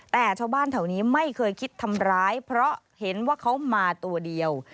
แต่ชาวบ้านแถวนี้ไม่เคยคิดทำร้ายเพราะเห็นว่าเขามาตัวเดียว